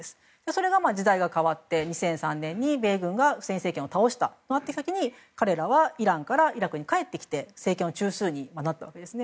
それが、時代が変わって２００３年に米軍がフセイン政権を倒したとなった時に彼らは、イランからイラクに帰ってきて政権の中枢になったんです。